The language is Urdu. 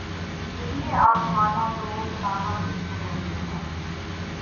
یہی ہے آزمانا‘ تو ستانا کس کو کہتے ہیں!